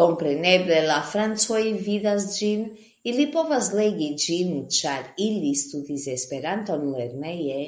Kompreneble, la francoj vidas ĝin, ili povas legi ĝin, ĉar ili studis Esperanton lerneje.